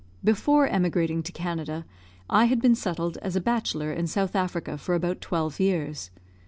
Before emigrating to Canada, I had been settled as a bachelor in South Africa for about twelve years.